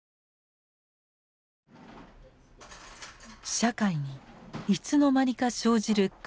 社会にいつの間にか生じる階層意識。